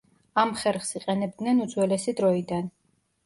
ამ ხერხს იყენებდნენ უძველესი დროიდან.